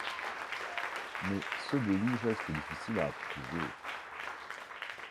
Mais ce délit reste difficile à prouver.